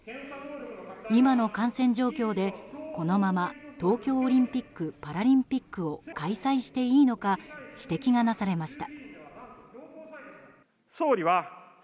今の感染状況で、このまま東京オリンピック・パラリンピックを開催していいのか指摘がなされました。